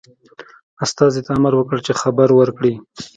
استازي ته امر وکړ خبر ورکړي.